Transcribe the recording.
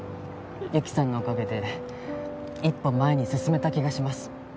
雪さんのおかげで一歩前に進めた気がします。